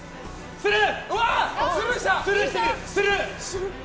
スルー。